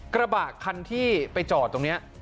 กระบะคันที่ไปจอดตรงนี้